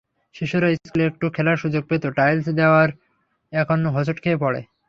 শিশুরা স্কুলে একটু খেলার সুযোগ পেত, টাইলস দেওয়ায় এখন হোঁচট খেয়ে পড়ে।